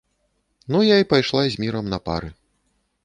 Ну я і пайшла з мірам на пары.